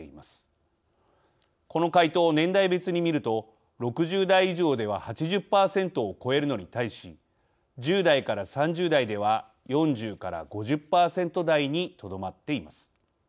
この回答を年代別に見ると６０代以上では８０％を超えるのに対し１０代から３０代では４０から５０％台にとどまっています。